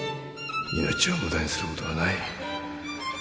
命を無駄にすることはない